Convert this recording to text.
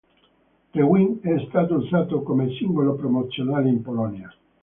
Rewind è stato usato come singolo promozionale in Polonia.